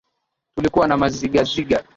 Tulikuwa na mazigaziga